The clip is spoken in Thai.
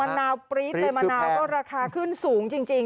นาวปรี๊ดเลยมะนาวก็ราคาขึ้นสูงจริง